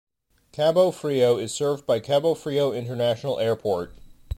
Cabo Frio is served by Cabo Frio International Airport.